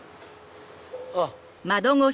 あっ！